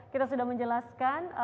kita sudah menjelaskan